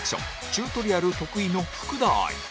チュートリアル徳井の福田愛